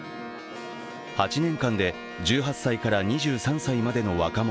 ８年間で１８歳から２３歳までの若者